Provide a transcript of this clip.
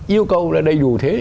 yêu cầu là đầy đủ thế